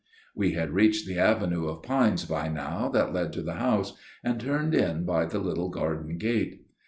We had reached the avenue of pines by now that led to the house, and turned in by the little garden gate.